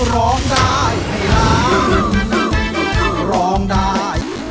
ร้องได้ร้องได้